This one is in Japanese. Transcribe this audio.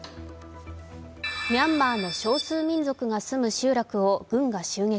ミャンマーの少数民族が住む集落を軍が襲撃。